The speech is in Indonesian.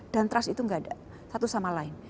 dan trust itu tidak ada satu sama lain